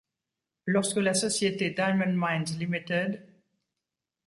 Lorsque la société Diamond Mines Ltd.